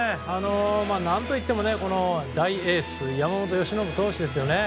何といっても大エース山本由伸投手ですよね。